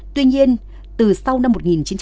tuy nhiên từ sau năm một nghìn chín trăm bảy mươi